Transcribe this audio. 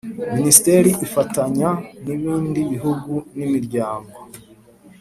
Minisiteri ifatanya n ibindi bihugu n imiryango